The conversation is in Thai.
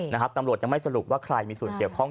ตำรวจยังไม่สรุปว่าใครมีส่วนเกี่ยวข้อง